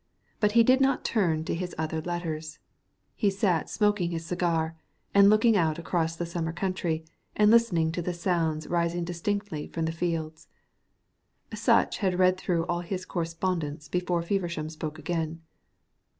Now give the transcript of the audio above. But he did not turn to his other letters. He sat smoking his cigar, and looked out across the summer country and listened to the sounds rising distinctly from the fields. Sutch had read through all of his correspondence before Feversham spoke again.